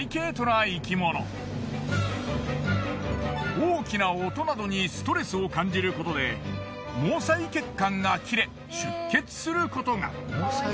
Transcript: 大きな音などにストレスを感じることで毛細血管が切れ出血することが。